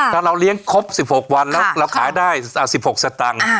ถ้าเราเลี้ยงครบ๑๖วันแล้วเราขายได้๑๖สตังค์